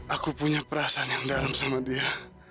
aku punya perasaan yang garam sama dia